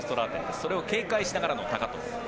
それを警戒しながらの高藤。